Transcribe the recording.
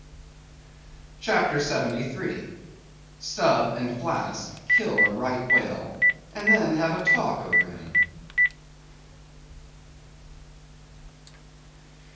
CHAPTER 73. Stubb and Flask kill a Right Whale; and Then Have a Talk over Him.